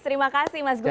terima kasih mas gunggul